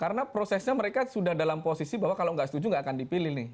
karena prosesnya mereka sudah dalam posisi bahwa kalau nggak setuju nggak akan dipilih nih